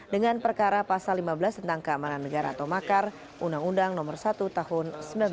dengan perkara pasal lima belas tentang keamanan negara atau makar undang undang nomor satu tahun seribu sembilan ratus sembilan puluh lima